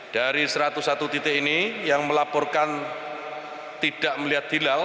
dari satu ratus satu titik ini yang melaporkan tidak melihat hilal